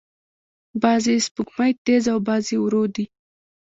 بعضې سپوږمۍ تیز او بعضې ورو دي.